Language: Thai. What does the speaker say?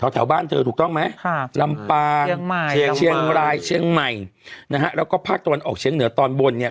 แถวบ้านเธอถูกต้องไหมค่ะลำปางเชียงใหม่แล้วก็ภาคตะวันออกเฉียงเหนือตอนบนเนี่ย